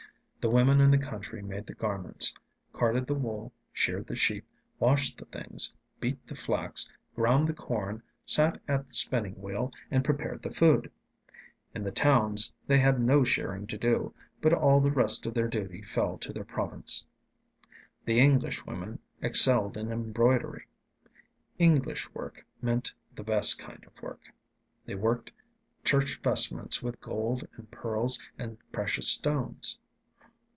The women in the country made the garments, carded the wool, sheared the sheep, washed the things, beat the flax, ground the corn, sat at the spinning wheel, and prepared the food. In the towns they had no shearing to do, but all the rest of their duty fell to their province. The English women excelled in embroidery. "English" work meant the best kind of work. They worked church vestments with gold and pearls and precious stones.